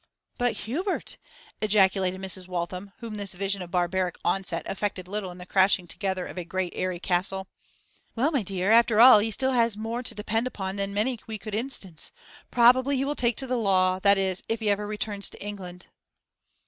'But Hubert!' ejaculated Mrs. Waltham, whom this vision of barbaric onset affected little in the crashing together of a great airy castle. 'Well, my dear, after all he still has more to depend upon than many we could instance. Probably he will take to the law, that is, if he ever returns to England.